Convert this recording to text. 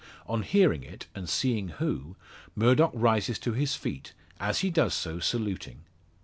On hearing it, and seeing who, Murdock rises to his feet, as he does so saluting.